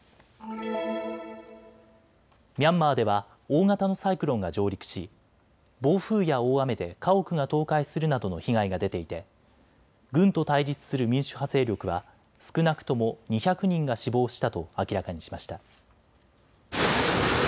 ミャンマーでは大型のサイクロンが上陸し暴風や大雨で家屋が倒壊するなどの被害が出ていて軍と対立する民主派勢力は少なくとも２００人が死亡したと明らかにしました。